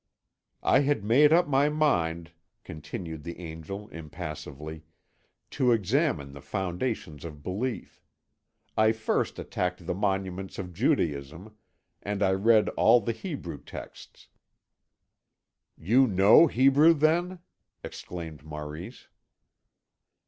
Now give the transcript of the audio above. "I had made up my mind," continued the Angel impassively, "to examine the foundations of belief. I first attacked the monuments of Judaism, and I read all the Hebrew texts." "You know Hebrew, then?" exclaimed Maurice.